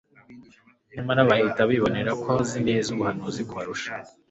nyamara bahita bibonera ko azi neza ubuhanuzi kubarusha.